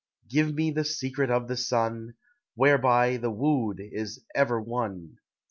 Give me the secret of the sun, Whereby the wooed is ever won !